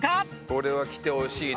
これはきてほしいな。